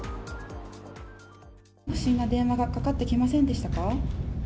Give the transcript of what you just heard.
不審な電話がかかってきませんでしたか？